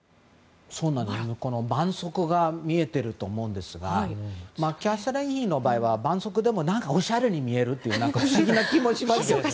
絆創膏が見えていると思いますがキャサリン妃の場合は絆創膏でもおしゃれに見えるという不思議な気もしますよね。